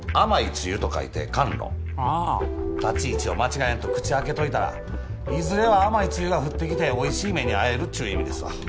立ち位置を間違えんと口開けといたらいずれは甘い露が降ってきておいしい目にあえるっちゅう意味ですわ。